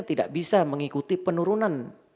tidak bisa mengikuti penurunan